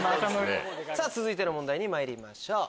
さぁ続いての問題にまいりましょう。